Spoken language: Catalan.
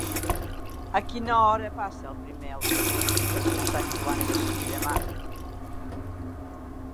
A quina hora passa el primer autobús per Sant Joan Despí demà?